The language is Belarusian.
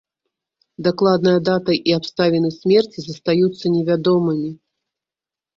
Дакладная дата і абставіны смерці застаюцца невядомымі.